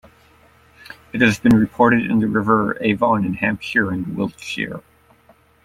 It has been reported in the River Avon in Hampshire and Wiltshire.